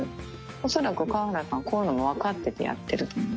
恐らく川原さん、こういうのも分かっててやってると思います。